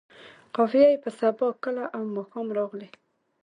قافیه یې په سبا، کله او ماښام راغلې.